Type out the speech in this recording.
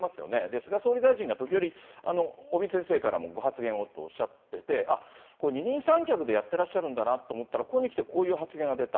菅総理大臣が時折、尾身先生からもご発言をとおっしゃってて、あっ、二人三脚でやってらっしゃるんだなと思ったら、ここに来てこういう発言が出た。